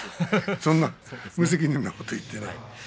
そんな無責任なことは言っていないで。